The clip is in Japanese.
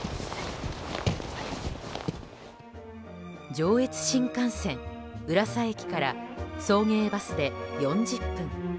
上越新幹線、浦佐駅から送迎バスで４０分。